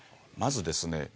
まずですね